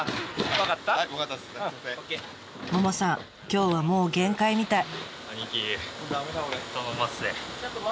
今日はもう限界みたい。